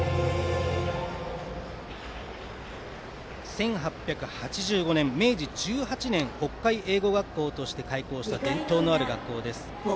１８８５年、明治１８年北海英語学校として開校した伝統のある学校です。